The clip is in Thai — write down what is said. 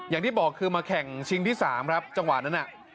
อย่างที่บอกคือมาแข่งชิงที่๓ครับจังหวะนั้นน่ะ